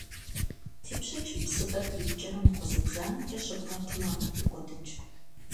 Тепщэчым псы тӀэкӀу ипкӀэрэ махуэ зыбжанэкӀэ щыбгъэтмэ, йокӀуэдыкӀ.